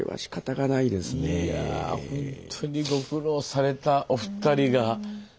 いやほんとにご苦労されたお二人が。